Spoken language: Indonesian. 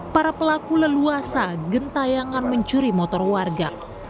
para pelaku leluasa gentayangan mencuri motor warga